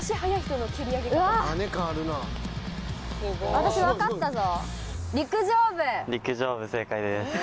私分かったぞ。